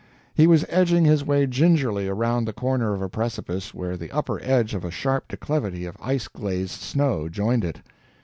He was edging his way gingerly around the corner of a precipice where the upper edge of a sharp declivity of ice glazed snow joined it.